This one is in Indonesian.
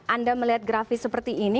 anda melihat grafis seperti ini